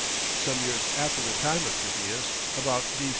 Some years after the time of Pytheas, about B.